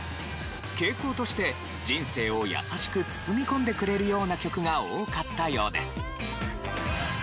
傾向として人生を優しく包み込んでくれるような曲が多かったようです。